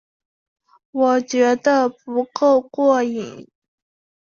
我觉得不够过瘾